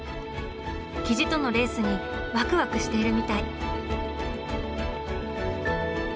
雉とのレースにワクワクしているみたい。